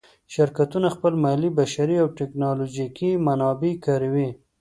شرکتونه خپل مالي، بشري او تکنالوجیکي منابع کاروي.